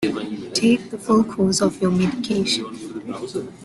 Take the full course of your medication.